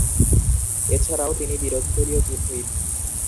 এছাড়াও ছিলেন বিরোধীদলীয় chief whip.